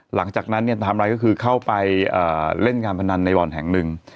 หลังจากนั้นเนี่ยไทม์ไลน์ก็คือเข้าไปเล่นงานพนันในบ่อนแห่งหนึ่ง